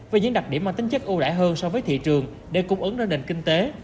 về những đặc điểm mang tính chất ưu đại hơn so với thị trường để cung ứng ra nền kinh tế